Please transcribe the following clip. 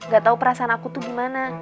gak tau perasaan aku tuh gimana